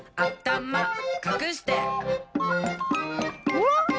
おっ！